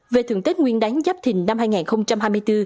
về thưởng tết nguyên đáng giáp thình năm hai nghìn hai mươi bốn